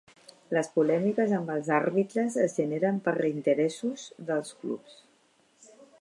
Les polèmiques amb els àrbitres es generen per interessos dels clubs.